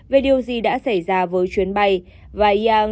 về điều gì đã xảy ra với chuyến bay